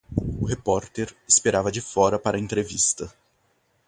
O repórter esperava de fora para a entrevista.